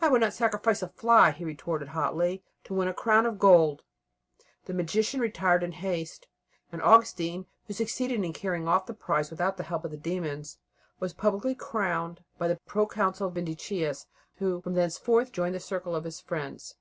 "I would not sacrifice a fly," he retorted hotly, "to win a crown of gold!" The magician retired in haste, and Augustine, who succeeded in carrying off the prize without the help of the demons, was publicly crowned by the Pro Consul Vindicius, who from thenceforth joined the circle of his friends.